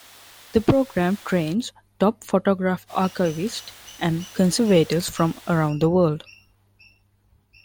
The program trains top photograph archivists and conservators from around the world.